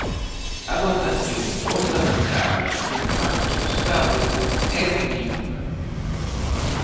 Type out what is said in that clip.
A dotación orzamentaria do Pacto de Estado é ridícula.